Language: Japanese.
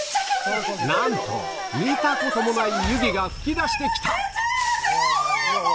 なんと見たこともない湯気が噴き出して来たわ！